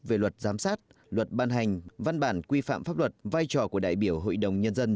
về luật giám sát luật ban hành văn bản quy phạm pháp luật vai trò của đại biểu hội đồng nhân dân